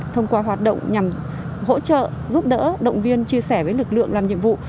thông qua hoạt động nhằm hỗ trợ giúp đỡ động viên chia sẻ với lực lượng làm nhiệm vụ